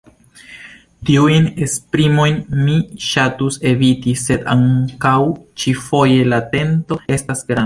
Tiujn esprimojn mi ŝatus eviti, sed ankaŭ ĉi-foje la tento estas granda.